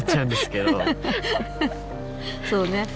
そうね。